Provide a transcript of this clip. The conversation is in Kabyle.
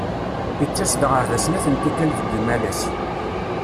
Ittas-d ɣer da snat n tikal deg yimalas.